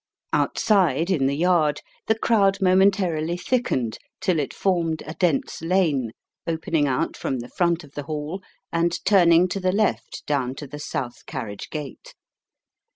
Outside, in the yard, the crowd momentarily thickened till it formed a dense lane, opening out from the front of the Hall, and turning to the left down to the south carriage gate.